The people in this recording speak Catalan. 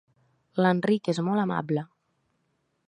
L'Enric és molt amable.